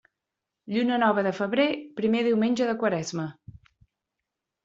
Lluna nova de febrer, primer diumenge de quaresma.